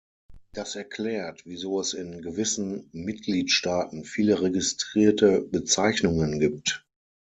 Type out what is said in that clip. Das erklärt, wieso es in gewissen Mitgliedstaaten viele registrierte Bezeichnungen gibt.